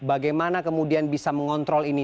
bagaimana kemudian bisa mengontrol ini